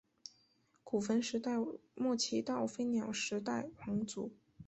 古坟时代末期到飞鸟时代皇族。